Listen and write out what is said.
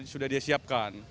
sudah dia siapkan